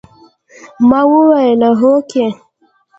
ما وويل هوکې.